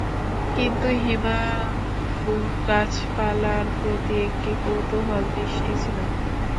কিন্তু হিমাংশুর গাছপালার প্রতি একটি কৌতূহলদৃষ্টি ছিল।